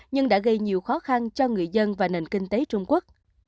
nhưng đã gây nhiều khó khăn cho người dân và nền kinh tế trung quốc